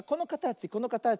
このかたち